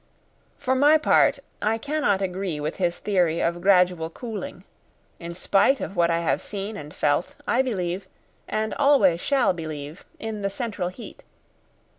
For my part I cannot agree with his theory of gradual cooling: in spite of what I have seen and felt, I believe, and always shall believe, in the central heat.